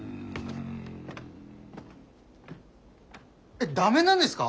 えっ駄目なんですか？